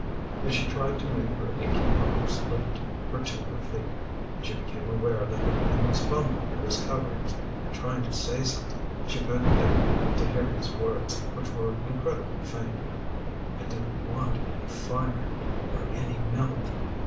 As she tried to make her aching bones lift her to her feet, she became aware that the man was fumbling at his coverings and trying to say something. She bent down to hear his words, which were incredibly faint. "I don't want any fire or any milk.